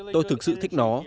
tôi thực sự thích nó